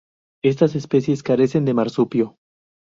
Estas especies carecen de marsupio.